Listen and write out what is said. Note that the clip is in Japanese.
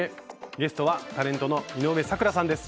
ゲストはタレントの井上咲楽さんです。